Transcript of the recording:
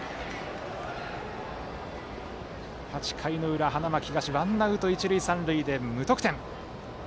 ８回の裏、花巻東ワンアウトランナー一塁三塁で無得点。